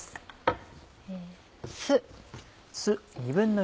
酢。